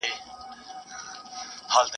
دا پردۍ ښځي چي وینمه شرمېږم ,